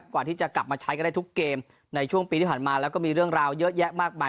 ก่อนที่จะกลับมาใช้กันได้ทุกเกมในช่วงปีที่ผ่านมาแล้วก็มีเรื่องราวเยอะแยะมากมาย